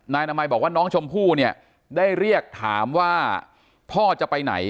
นายนามัยบอกว่าน้องชมพู่เนี่ยได้เรียกถามว่าพ่อจะไปไหน